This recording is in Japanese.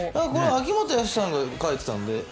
秋元康さんが書いていたので。